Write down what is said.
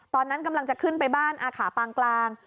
ตอนนั้นกำลังจะขึ้นไปบ้านอาขาปางกลาง